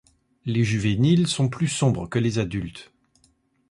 Les juvéniles sont plus sombres que les adultes.